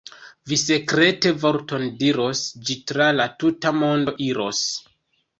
Vi sekrete vorton diros, ĝi tra l' tuta mondo iros.